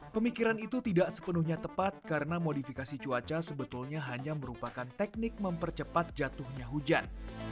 pemikiran itu tidak sepenuhnya tepat karena modifikasi cuaca sebetulnya hanya merupakan teknik mempercepat jatuhnya hujan